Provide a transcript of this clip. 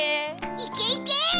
いけいけ！